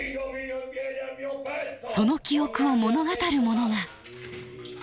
その記憶を物語るものが。